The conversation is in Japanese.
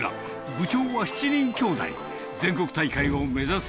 部長は７人きょうだい。